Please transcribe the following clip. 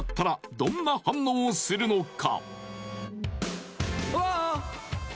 どんな反応をするのか？